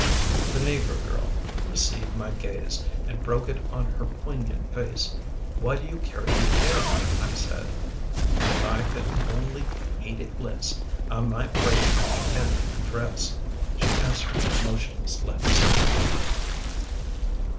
The negro girl received my gaze And broke it on her poignant face. " Why do you carry the egg? " I said. " If I could only hate it less I might break it, and undress/' She answered with motionless lips.